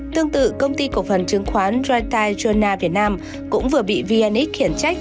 tương tự công ty cổ phần chứng khoán rita jona việt nam cũng vừa bị vnx khiển trách